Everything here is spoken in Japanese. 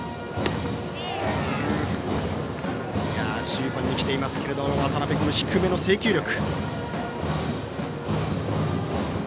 終盤に来ていますけれども渡辺の低めの制球力。